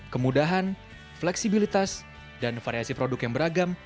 kemudahan fleksibilitas dan variasi produk yang beragam